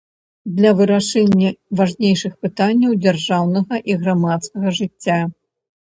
Для вырашэння важнейшых пытанняў дзяржаўнага і грамадскага жыцця.